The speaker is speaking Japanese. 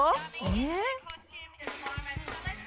えっ！？